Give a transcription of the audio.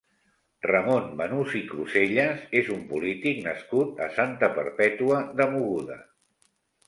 Ramon Banús i Crusellas és un polític nascut a Santa Perpètua de Mogoda.